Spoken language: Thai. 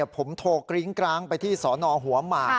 ผมโทรกริ้งกร้างไปที่สนหัวหมาก